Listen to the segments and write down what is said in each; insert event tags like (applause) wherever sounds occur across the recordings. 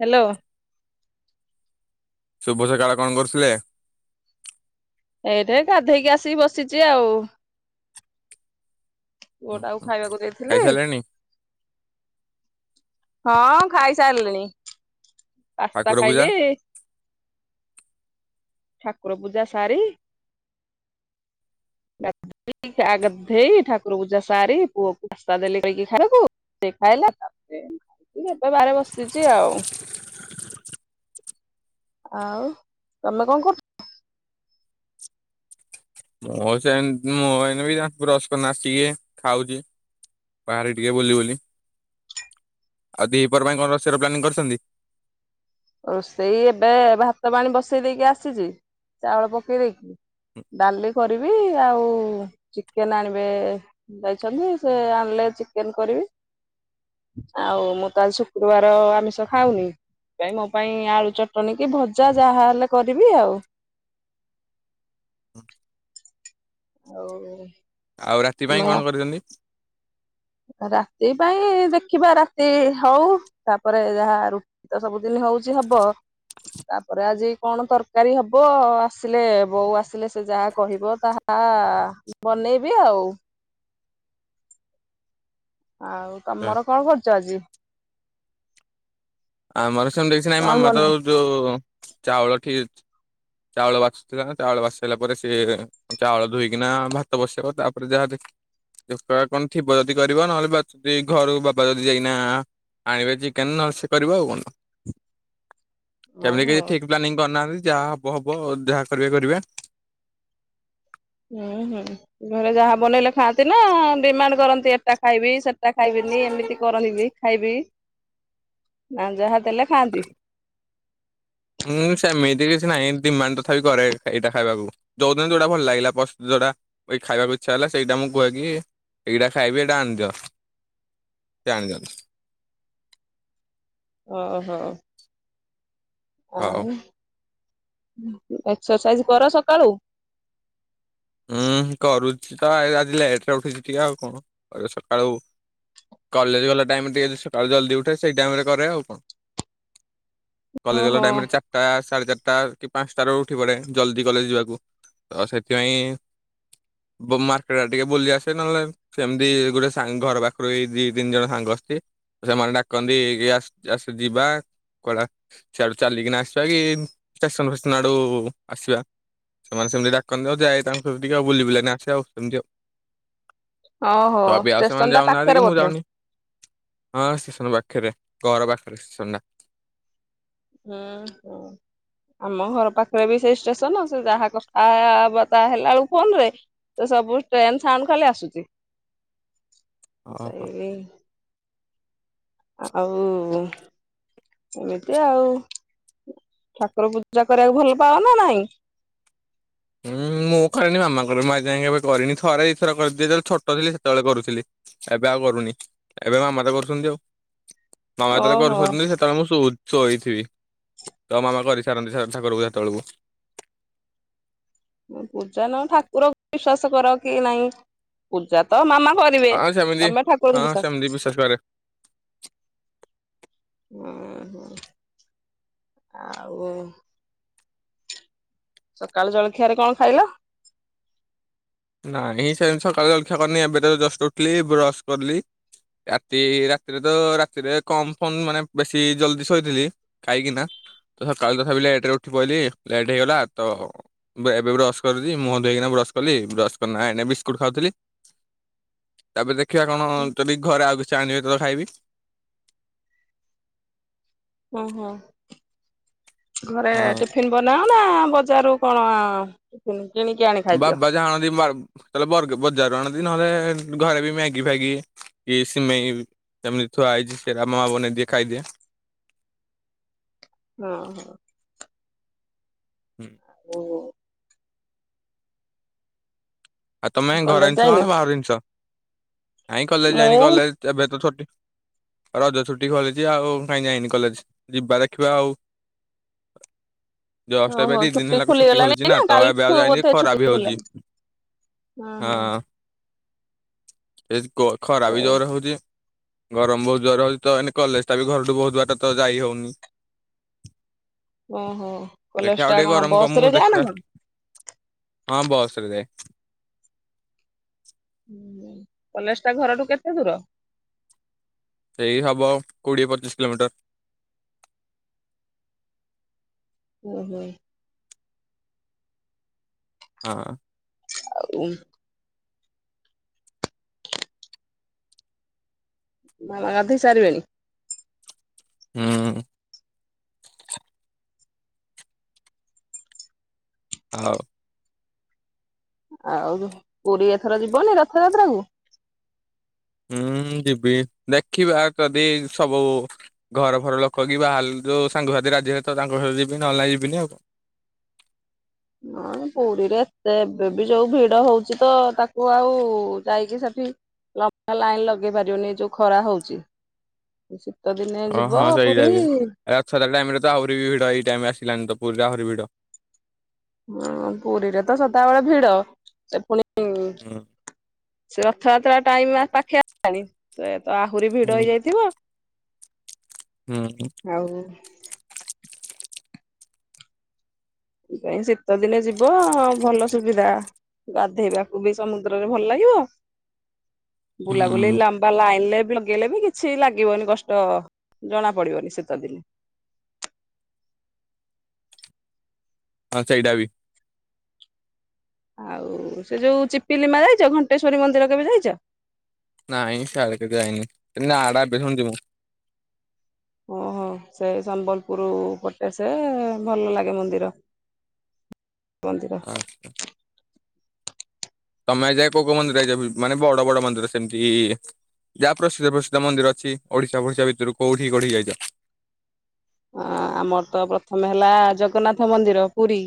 Hello. ଶୁଭ ସକାଳ କଣ କରୁଥିଲେ? ଏଇଠି ଗାଧେଇକି ଆସିକି ବସିଛି ଆଉ। ପୁଅ ହୁଁ ଟାକୁ ହୁଁ ଖାଇବାକୁ ଦେଇଥିଲି ଖାଇସାରିଲେଣି ହଁ ଖାଇସାରିଲିଣି ପାସ୍ତା ଠାକୁର ପୂଜା? ଖାଇଲି ଠାକୁର ପୂଜା ସାରି (unintelligible) ଗାଗଧେଇ ଠାକୁର ପୂଜା ସାରି ପୁଅକୁ ପାସ୍ତା ଦେଲି କହିକି ଖାଇବାକୁ ସେ ଖାଇଲା ତାପରେ (unintelligible) ଏବେ ବାହାରେ ବସିଛି ଆଉ। ଆଉ ତମେ କଣ କର ମୁଁ ସେ ମୁଁ ଏଇନାବି ବ୍ରସ କରି ନାସିକି ଖାଉଛି। ବାହାରେ ଟିକେ ବୁଲି ବୁଲି ଆଉ ଦିହପର ପାଇଁ କଣ ରୋଷେଇ ର ପ୍ଲାନିଂ କରିଛନ୍ତି? ରୋଷେଇ ଏବେ ଭାତ ପାଣି ବସେଇ ଦେଇକି ଆସିଛି ଚାଉଳ ପକେଇ ଦେଇକି। ଡାଲି କରିବି ଆଉ ଚିକେନ ଆଣିବେ ଯାଇଛନ୍ତି ସେ ଆଣିଲେ ଚିକେନ କରିବି। ଆଉ ମୁଁ ତାହେଲେ ଶୁକ୍ରବାର ଆମିଷ ଖାଉନି। ସେ ପାଇଁ ମୋ ପାଇଁ ଆଳୁ ଚଟଣିୀ କି ଭଜା ଯାହାହଲେ କରିବି ଆଉ। ଆଉ। ଆଉ ରାତି ପାଇଁପାଇଂ କଣ କରିଛନ୍ତି? ରାତି ପାଇଁ ଦେଖିବା ରାତି ହଉ ତାପରେ ଯାହା ରୁ ଏ ତ ସବୁଦିନ ହଉଛି ହବ ତାପରେ ଆଜି କଣ ତର କାରୀ ହବ ଆସିଲେ ବୋଉ ଆସିଲେ ସେ ଯାହା କହିବ ତାହା ବନେଇବି ଆଉ। ଆଉ ତମର କଣ କରିଚ ଆଜି? ଆମର ସେମତି କିଛି ନାଇଁ କଣ ମାମା ତ ବନେଇ ଯୋଉ ଚାଉଳ ଠି ଚାଉଳ ବାଛୁଥିଲା ନା ଚାଉଳ ବାଛି ସାଇଲା ପରେ ସିଏ ଚାଉଳ ଧୋଇକିନା ଭାତ ବସେଇବ ତାପରେ ଯାହା ଦେ ଦୋଖା କଣ ଥିବ ଯଦି କରିବ ନହେଲେ ବାଛି ଦେଇ ଘରୁ ବାବା ଯଦି ଯାଇକିନା ଆଁ ଆଁ ଆଣିବେ ଚିକେନ ନହେଲ ସେ କରିବ ଆଉ କଣ ହେମିତି ଓହୋ କିଛି ଠିକ ପ୍ଲାନିଂ କରନାହାନ୍ତି ଯାହା ହ ବ ହବ ଆଉ ଯାହା କରିବେ କରିବେ। ହୁଁ ହୁଁ ଘରେ ଯାହା ବନେଇଲେ ଖାଆନ୍ତି ନା ଡିମାଣ୍ଡ କରନ୍ତି ଏଟା ଖାଇବି ସେ ଟା ଖାଇବିନି ଏମିତି କରନ୍ତି ବି ଖାଇବି ନା ଯାହା ଦେଲେ ଖାଆନ୍ତି? ହୁଁ ସେମିତି କିଛି ନାଇଁ ଡିମାଣ୍ଡ ତଥାପି କରେ ଏଇଟା ଖାଇବାକୁ। ଯୋଉ ଦିନ ଯୋଉଟା ଭଲ ଲାଗିଲା ପସ ଯୋଉଟା ବି ଖାଇବାକୁ ଇଚ୍ଛା ହେଲା ସେଇଟା ମୁଁ କୁହେ କି ଏଇଟା ଖାଇବି ଏଇଟା ଆଣିଦିଅ ସିଏ ଆଣିଦିଅନ୍ତି। ଓହୋ। ହଉ। ଆଉ ଏକସରସାଇଜ କର ସକାଳୁ? ଉଁ ହୁଁ କରୁଚି ତ ଆଜ ଆଜି ଲେଟରେ ଉଠିଚି ଟିକେ ଆଉ କଣ କରିବ ସକାଳୁ କଲେଜ ଗଲା ଟାଇମ୍ ଟିକେ ସକାଳୁ ଜଲଦି ଉଠେ ସେଇ ଟାଇମରେ କରେ ଆଉ କଣ। କଲେଜ ଗଲା ଓହୋ। ଟାଇମରେ ଚା ଟା ସାଢ଼େ ଚାରଟା କି ପାଁଶଟାରୁ ଉଠି ପଡ଼େ ଜଲ୍ଦି କଲେଜ ଯିବାକୁ ତ ସେଥିପାଇଁ ବୋ ମାର୍କେଟ ଆଡ଼େ ଟିକେ ବୁଲି ଆସେ ନହେଲେ ଆଉ ସେମିତି ଗୋଟେ ସାଙ୍ଗ ଘର ପାଖୁରୁ ଏଇ ଦି ତିନି ଜଣ ସାଙ୍ଗ ଆସଚି ସେମାନେ ଡାକନ୍ତି କି ଆସ୍ ଆସ ଯିବା କୁଆଡ଼େ ଆ। ସିଆଡ଼ୁ ଚାଲିକିନା ଆସିବା କି ଷ୍ଟେସନ ଫେସନ ଆଡୁ ଆସିବା। ସେମାନେ ସେମିତି ଡାକନ୍ତି ଆଉ ଯାଏ ତାଙ୍କ କତିକି ଆଉ ବୁଲି ବୁିଲାକିନା ଆସେ ଆଉ ସେମିତି ଆଉ। ଓହୋ ତ ଏବେ ଆଉ ଷ୍ଟେସନ ସେମାନେ ଟା ଯାଉନାହାନ୍ତି ପାଖରେ କି ମୁଁ ବୋଧେ? ଯାଉନି। ହଁ ଷ୍ଟେସନ ପାଖେରେ ଘର ପାଖେରେ ଷ୍ଟେସନ ଟା। ହଁ ହଁ। ହ ଆମ ଘର ପାଖେରେ ବି ସେଇ ଷ୍ଟେସନ ସେ ଯାହା କଥା ଆ ଆ ଆ ବାର୍ତ୍ତା ହେଲା ବେଳକୁ ଫୋନ ରେ ତ ସବୁ ଟ୍ରେନ ସାଉଣ୍ଡ ଖାଲି ଆସୁଚି। ହ ଚାଇଁବି ଆଉ ଏମିତି ଆଉ। ଠାକୁର ପୂଜା କରିବାକୁ ଭଲ ପାଅ ନା ନାଇଁ? ହୁଁ ହୁଁ ମୁଁ କରେନି ମାମା କରେ ମୁଁ ଆଜି ଯାଏଁ କେବେ କରିନି ଥରେ ଦି ଥରେ କରି ଯେତେବେଳେ ଛୋଟ ଥିଲି ସେତେବେଳେ କରୁଥିଲି। ଏବେ ଆଉ କରୁନି ଏବେ ମାମା ତ କରୁଛନ୍ତି ଆଉ ମାମା ଯେତେବେଳେ ଓହୋ। କରୁଚନ୍ତି ସେତ ବଳେ ମୁଁ ଶ ଶୋଇଥିବି ତ ମାମା କରିସାରନ୍ତି ଠା ଠାକୁର ପୂଜା ହେତବେଳକୁ। ନୁ ପୂଜା ନୁ ଠାକୁର ବିଶ୍ଵାସ କର କି ନାଇଁ? ପୂଜା ତ ମାମା କରିବେ ହଁ ତମେ ଠାକୁରଙ୍କୁ ବିଶ୍ୱାସ ହ ହଁ ହଁ ଆଉ ସକାଳୁ ଜଳଖିଆରେ କଣ ଖାଇଲ? ନାହିଁ ସେମତି ସକାଳେ ଜଳିଖିଆ କରିନି ଏବେ ତ ଜଷ୍ଟ ଉଠିଲି ବ୍ରସ୍ କରିଲି। ରାତି ରାତିରେ ତ ରାତିରେ କମ ଫୋନ ମାନେ ବେଶୀ ଜଲଦି ଶୋଇଥିଲି। କାହିଁକି ନା ତ ସକାଳୁ ତଥାପି ଲେଟ ରେ ଉଠି ପହିଲି ଲେଟ୍ ହେଇଗଲା ତ ଏବେ ବ୍ରଶ କରିଛି ମୁହଁ ଧୁଇକିନା ବ୍ରଶ କଲି ବ୍ରସ୍ କରିନା ଏଇନା ବିସ୍କୁଟ୍ ଖାଉଥିଲି ତାପରେ ଦେଖିବା କଣ ଯଦି ଘରେ ଆଉ କିଛି ଆଣିବେ ତ ଖାଇବି ହୁଁ ହୁଁ ଘରେ ହଁ। ଫିନ୍ ବନାଅ ନା ବଜାରରୁ କଣ ଆ କିଣିକି ଆ ବାବା ଜା ଆଣନ୍ତି ତାହଲେ ବଜାରରୁ ଆଣନ୍ତି ନହେଲେ ଘରେ ବି ମ୍ୟାଗି ଫାଗି କି ସିମେଇ ଯେମିତି ଥୁଆ ହେଇଛି ସେଟା ମା ବନେଇଦିଏ ଖାଇଦିଏ। ହଁ। ହୁଁ ଓହୋ। ଆଉ ତମେ ଘର କଲେଜ ଜିନିଷ ଖାଅ ଯାଇନ? ନା ବାହାର ଜିନିଷ ୱାଇଁ କଲେଜ ଯାଇନି ମୁଁ କଲେଜ ଏବେ ତ ଛୋଟି ରଜ ଛୁଟି ଖୋଲିଛି ଆଉ କାହିଁ ଯାଇନି କଲେଜ ଯିବା ଦେଖିବା ଆଉ। ଦଶଟା ଓହୋ ଦି ଦିନ ହେଲା ଛୁଟି ଖୋଲିଗଲାଣି ଖୋଲିଛି ନା ତ ଏବେ କାଲିଠୁ ଆଉ ଯାଇନି ବୋଧେ ଛୁଟି ଖରା ବି ହଉଛି। ଖୋଲିଲାଣି। ହଁ ହଁ। ଏ ଖରା ବି ହଁ ଜୋରେ ହଉଛି। ଗରମ ବହୁତ ଜୋରେ ହଉଛି ତ ଏ କଲେଜଟା ବି ଘରଠୁ ବହୁତ ବାଟ ଯାଇ ହଉନି। ଓହୋ କଲେଜ ଦେଖିବା ଟା ଆଉ ଟିକେ କଣ ଗରମ ବସ ରେ କମୁ ଯାଅ ନା ଦେଖିବା। କଣ? ହଁ ବସ୍ ରେ ଯାଏ। ହୁଁ କଲେଜ ଟା ଘରଠୁ କେତେ ଦୂର? ସେଇ ହବ ଆଉ କୋଡିଏ ପଚିଶ କିଲୋମିଟର। ଓହୋ। ହଁ। ଆଉ ମାମା ଗାଧୋଇ ସାରିବେଣି? ହୁଁ। ହଉ। ଆଉ ପୁରୀ ଏଥର ଯିବନି ରଥଯାତ୍ରା କୁ? ହୁଁ ଯିବି ଦେଖିବା ଯଦି ସବୁ ଘର ଫର ଲୋକ କି ବାହାର ଯୋଉ ସାଙ୍ଗସାଥି ରାଜି ହେବେ ତ ତାଙ୍କ ସାଙ୍ଗ ରେ ଯିବି ନହେଲେ ଯିବିନି। ହଁ ପୁରୀରେ ଏତେ ଏବେ ବି ଯୋଉ ଭିଡ ହଉଛି ତ ତାକୁ ଆଉ ଯାଇକି ସେଠି ଲମ୍ବା ଲାଇନ ଲଗେଇ ପାରିବନି ଯୋଉ ଖରା ହଉଛି ଶୀତ ଦିନେ ଯିବ ଓହୋ ସେଇଟା ପୁରୀ। ବି ରଥଯାତ୍ରା ଟାଇମ ରେ ଆହୁରି ଭିଡ ଏଇ ଟାଇମ ଆସିଲେ ତ ପୁରୀରେ ଆହୁରି ଭିଡ। ହଁ ପୁରୀରେ ତ ସଦାବେଳେ ଭିଡ ସେ ପୁଣି। ହୁଁ ସେ ରଥଯାତ୍ରା ଟାଇମ ପାଖେ ଆସିଲାଣି ସେ ତ ଆହୁରି ଭିଡ ହୁଁ ହେଇଯାଇଥିବ। ହୁଁ। ଆଉ। କାଇଁ ଶୀତ ଦିନେ ଯିବ ଭଲ ସୁବିଧା। ଗାଧେଇବାକୁ ବି ସମୁଦ୍ରରେ ଭଲ ଲାଗିବ ବୁଲାବୁଲି ହୁଁ ଲମ୍ ବା ଲାଇନରେ ଲଗେଇଲେ ବି କିଛି ଲାଗିବନି କଷ୍ଟ ଜଣା ପଡିବନି ଶୀତଦିନେ। ହଁ ସେଇଟା ବି। ଆଉ ସେ ଯୋଉ ଚିପିଲିମା ଯାଇଛ ଘଣ୍ଟେଶ୍ଵରୀ ମନ୍ଦିର କେବେ ଯାଇଛ? ନାଇଁ ସିଆଡ କେେ ଯାଇନି ନାଡା ଏବେ ଶୁଣୁଛି ମୁଁ। ଓହୋ ସେ ସମ୍ବଲପୁର ପଟେ ସେ ଭଲ ଲାଗେ ମନ୍ଦିର। ମନ୍ଦିର। (inaudible) ତମେ ଆଜି ଯାଏ କୋଉ କୋଉ ମନ୍ଦିର ଯାଇଚ ବି ମାନେ ବଡ଼ ବଡ଼ ମନ୍ଦିର ସେମିତିକି? ଯାହା ପ୍ରସିଦ୍ଧ ପ୍ରସିଦ୍ଧ ମନ୍ଦିର ଅଛି ଓଡ଼ିଶା ଫୋଡ଼ିଶା ଭିତରୁ କୋଉଠି କୋଉଠିକି ଯାଇଛ? ଆମର ତ ପ୍ରଥମେ ହେଲା ଜଗନ୍ନାଥ ମନ୍ଦିର ପୁରୀ।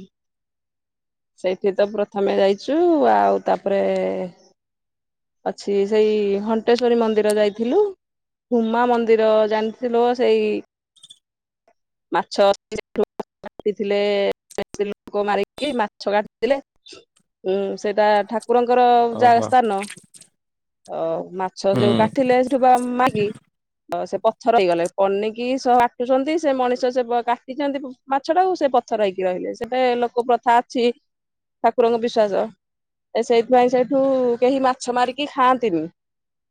ସେଇଠି ତ ପ୍ରଥମେ ଯାଇଛୁ ଆଉ ତାପରେ ଅଛି ସେଇ ଘଣ୍ଟେଶ୍ୱରୀ ମନ୍ଦିର ଯାଇଥିଲୁ। ହୁମା ମନ୍ଦିର ଜାଣିଥିଲ ସେଇ (unintelligible) କାଟିଥିଲେ ସେ ଲୋକ ମାରିକି ମାଛ କାଟିଥିଲେ। ହୁଁ ସେଇଟା ଠାକୁରଙ୍କର ଯା ଓହୋ ସ୍ଥାନ, ଅ ମାଛ ଯୋଉ ହୁଁ କାଟିଲେ ସେଠୁ ବା ମାଗି। ଆଉ ସେ ପଥର ହେଇଗଲେ, ପନିକି ସହ କାଟୁଛନ୍ତି ସେ ମଣିଷ ସେ କାଟିଛନ୍ତି ମାଛଟାକୁ ସେ ପଥର ହେଇକି ରହିଲେ ସେଟେ ଲୋକ ପ୍ରଥା ଅଛି। ଠାକୁରଙ୍କ ବିଶ୍ଵାସ, ଏ ସେଇଥିପାଇଁ ସେଇଠୁ କେହି ମାଛ ମାରିକି ଖାଆନ୍ତିନି?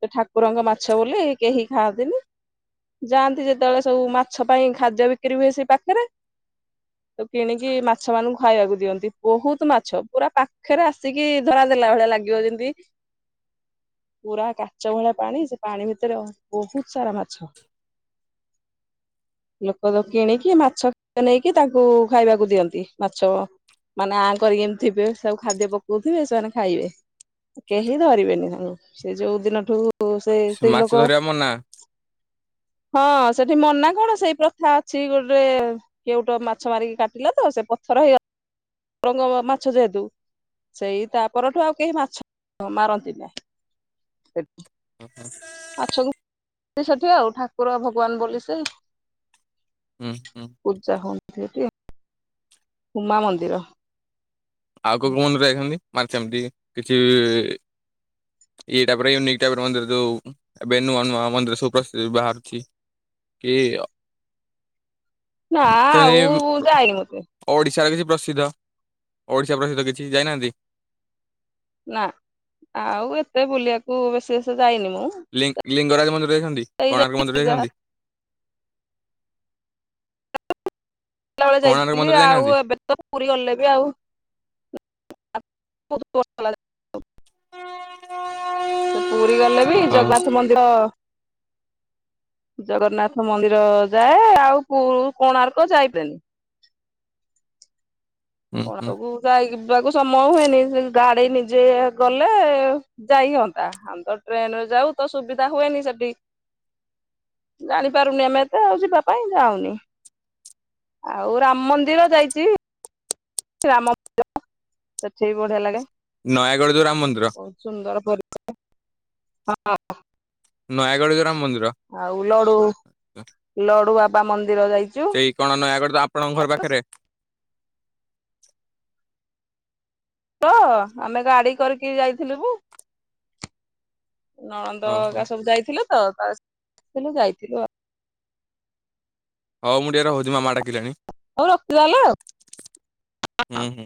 ତ ଠାକୁରଙ୍କ ମାଛ ବୋଲି କେହି ଖାଆନ୍ତିନି, ଯାଆନ୍ତି ଯେତେବେଳେ ସବୁ ମାଛ ପାଇଁ ଖାଦ୍ୟ ବିକ୍ରି ହୁଏ ସେ ପାଖେରେ। ତାକୁ କିଣିକି ମାଛ ମାନଙ୍କୁ ଖାଇବାକୁ ଦିଅନ୍ତି ବହୁତ ମାଛ ପୁରା ପାଖରେ ଆସିକି ଧରା ଦେଲା ଭଳିଆ ଲା ଗିବ ଯେମିତି ପୁରା କାଚ ଭଳିଆ ପାଣି ସେ ପାଣି ଭିତରେ ଅ ବହୁତ ସାରା ମାଛ। ଲୋକ ତ କିଣିକି ମାଛ ନେଇକି ତାକୁ ଖାଇବାକୁ ଦିଅନ୍ତି ମାଛ। ମାନେ ଆଁ କରିକି ଏମିତି ଥିବେ ସବୁ ଖାଦ୍ୟ ପକଉଥିବେ ସେମାନେ ଖାଇବେ। କେହି ଧରିବେନି ତାଙ୍କୁ, ସେ ଯୋଉ ଦିନଠୁ ସେ ସ୍ତ୍ରୀ ମାଛ ଲୋକ ଧରିବା ମନା ହଁ ସେଠି ମନା କଣ ସେଇ ପ୍ରଥା ଅଛି ଗୋଟେ କେଉଟ ମାଛ ମାରିକି କାଟିଲା ତ ସେ ପଥର ହେଇଗ ଠାକୁରଙ୍କ ମାଛ ଯେହେତୁ। ସେଇ ତାପରଠୁ ଆଉ କେହି ମାଛ ମାରନ୍ତି ନାହିଁ ସେଠି। (inaudible) ମାଛକୁ ସେଠି ଆଉ ଠାକୁର ଭଗବାନ ବୋଲି ସେ। ହୁଁ, ହୁଁ। ପୂଜା ହୁଅନ୍ତି ସେଠି। ଉମା ମନ୍ଦିର। ଆଉ କୋଉ କୋଉ ମନ୍ଦରେ ଯାଇଛନ୍ତି? ମାର ଯେମିତି କିଛି ଇଏ ଟାଇପର ୟୁନିକ ଟାଇପର ମନ୍ଦିର ଯୋଉ ଏବେ ନୂଆ ନୂଆ ମନ୍ଦିର ସବୁ ପ୍ରସି ବାହାରୁଛି। କେ, ୟ ନା ଆଉ ଯାଇନୁ କିଏ? ଓଡ଼ିଶାର କିଛି ପ୍ରସିଦ୍ଧ ଓଡ଼ିଶା ପ୍ରସିଦ୍ଧ କିଛି ଯାଇନାହାନ୍ତି? ନା ଆଉ ଏତେ ବୁଲିବାକୁ ବେଶୀ ବେଶୀ ଯାଇନି ମୁଁ। ଲିଙ୍ଗ୍ ଲିଙ୍ଗରାଜ ମନ୍ଦିର ଯାଇଛନ୍ତି ଏଇ କୋଣାର୍କ ମନ୍ଦିର ଯାହା ଯାଇଛନ୍ତି? ପିଲାବେଳେ କୋଣାର୍କ ଯାଇଥିଲି ମନ୍ଦିର ଆଉ ଯାଇନାହାନ୍ତି? ଏବେ ତ ପୁରୀ ଗଲେ ବି ଆଉ ସେ ପୁରୀ ଗଲେ ବି ଓ ଜଗନ୍ନାଥ ମନ୍ଦିର ଜଗନ୍ନାଥ ମନ୍ଦିର ଯାଏ ଆଉ କୁଳୁ କୋଣାର୍କ ଯାଇ (unintelligible) ହୁଁ ହୁଁ କୋଣାର୍କକୁ ଯାଇ ଯିବାକୁ ସମୟ ହୁଏନି ସେ ଗାଡି ନିଜେ ଗଲେ ଯାଇହଅନ୍ତା। ଆମେ ତ ଟ୍ରେନରେ ଯାଉ ତ ସୁବିଧା ହୁଏନି ସେଠି। ଜାଣିପାରୁନି ଆମେ ଏତେ ଆଉ ଯିବା ପାଇଁ ଯାଉନି। ଆଉ ରାମ ମନ୍ଦିର ଯାଇଛି। ରାମ ମନ୍ଦିର ସେଠି ବି ବଢିଆ ଲାଗେ। ନୟାଗଡ଼ ଯୋଉ ରାମ ମନ୍ଦିର। ସୁନ୍ଦର ପରିବାର ହାଁ। ନୟାଗଡ଼ ଯୋଉ ରାମ ମନ୍ଦିର। ଆଉ ଲଡୁ ଲଡୁ ବାବା ମନ୍ଦିର ଯାଇଚୁ? ଇ କଣ, ନୟାଗଡ ତ ଆପଣଙ୍କ ଘର ପାଖରେ? ତ ଆମେ ଗାଡି କରିକି ଯାଇଥିଲୁୁବୁ। ନଣନ୍ଦ ଓହୋ ହେରିକା ସବୁ ଯାଇଥିଲେ ତ ଯାଇଥିଲୁ ଆଉ। ହଉ ମୁଁ ଟିକେ ରହୁଛି, ମାମା ଡାକିଲେଣି। ହଉ ରଖିଲାଲେ ହୁଁ ହୁଁ।